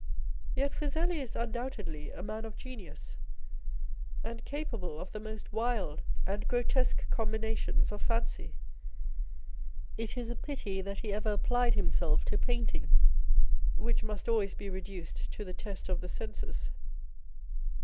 Yet Fuseli is undoubtedly a man of genius, and capable of the most wild and grotesque combinations of fancy. It is a pity that he ever applied himself to painting, which must always be reduced to the test of the senses.